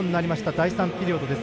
第３ピリオドです。